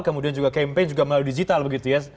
kemudian juga campaign juga melalui digital begitu ya